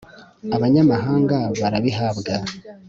abanyamahanga barabihabwa